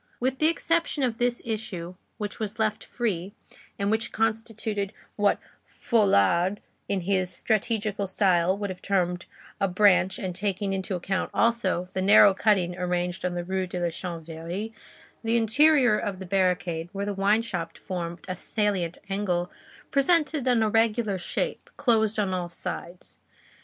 With the exception of this issue which was left free, and which constituted what Folard in his strategical style would have termed a branch and taking into account, also, the narrow cutting arranged on the Rue de la Chanvrerie, the interior of the barricade, where the wine shop formed a salient angle, presented an irregular square, closed on all sides.